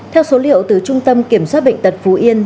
theo số liệu từ trung tâm kiểm soát bệnh tật phú yên